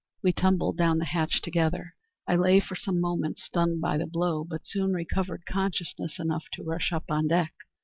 We tumbled down the hatch together. I lay for some moments stunned by the blow, but soon recovered consciousness enough to rush up on deck.